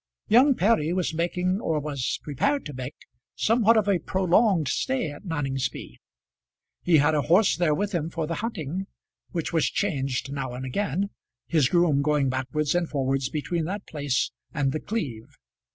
Young Perry was making, or was prepared to make, somewhat of a prolonged stay at Noningsby. He had a horse there with him for the hunting, which was changed now and again; his groom going backwards and forwards between that place and The Cleeve.